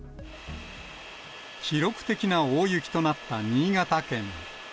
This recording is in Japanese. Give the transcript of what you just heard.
記録的な大雪となった新潟県。